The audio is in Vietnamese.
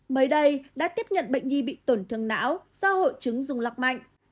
mới đây đã tiếp nhận bệnh nhi bị tổn thương não do hội chứng dùng lọc mạnh